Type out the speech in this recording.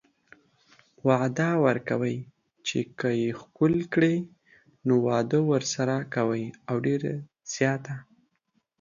وعده ورکوي چې که يې ښکل کړي نو واده ورسره کوي او ډيره زياته